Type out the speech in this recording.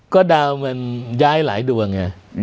ก็ดาวมันย้ายหลายดวงไง